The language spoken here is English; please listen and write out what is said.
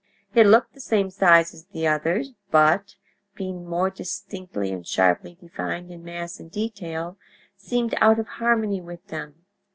It looked the same size as the others, but, being more distinctly and sharply defined in mass and detail, seemed out of harmony with them.